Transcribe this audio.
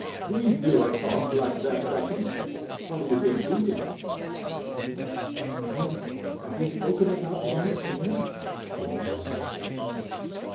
We knew a toff like that duckie. What d'you think he did?" "Well, have you spoken about my affairs?" the old woman asked.